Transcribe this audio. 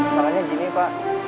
soalnya gini pak